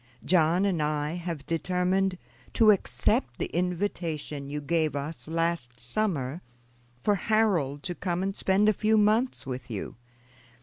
John and I have determined to accept the invitation you gave us last summer for Harold to come and spend a few months with you.